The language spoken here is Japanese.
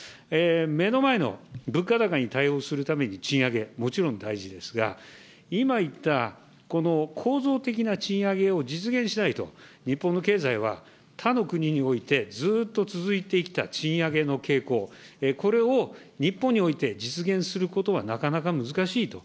目の前の物価高に対応するために、賃上げ、もちろん大事ですが、今言った、この構造的な賃上げを実現しないと、日本の経済は他の国においてずーっと続いてきた賃上げの傾向、これを日本において実現することは、なかなか難しいと。